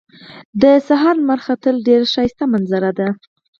د سهار لمر ختل ډېر ښایسته منظره ده